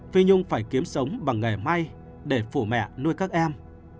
phi nhung phải kiếm sống bằng nghề may để phủ mẹ nuôi các em